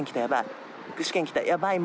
やばい。